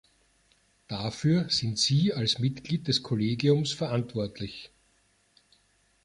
Dafür sind Sie als Mitglied des Kollegiums verantwortlich.